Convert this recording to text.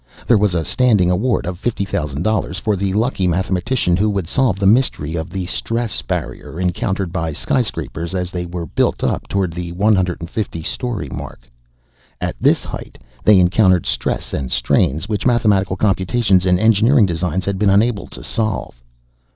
There was a standing award of $50,000 for the lucky mathematician who would solve the mystery of the "stress barrier" encountered by skyscrapers as they were built up toward the 150 story mark. At this height, they encountered stress and strains which mathematical computations and engineering designs had been unable to solve.